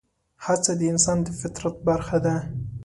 هڅه د انسان د فطرت برخه ده.